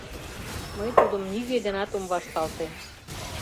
Мый тудым нигӧ денат ом вашталте!..